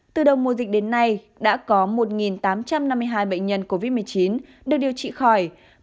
từ đầu mùa dịch đến nay đã có một tám trăm năm mươi hai bệnh nhân covid một mươi chín được điều trị khỏi